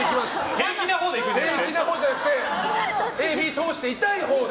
平気なほうじゃなくてＡ、Ｂ通して痛いほうで。